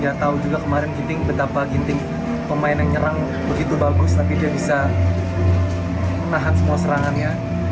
dia tahu juga kemarin ginting betapa ginting pemain yang nyerang begitu bagus tapi dia bisa menahan semua serangannya